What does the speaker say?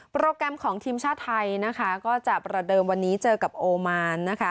โปรแกรมของทีมชาติไทยก็จะประเดิมเจอกับโอมาร